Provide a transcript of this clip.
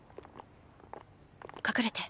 隠れて。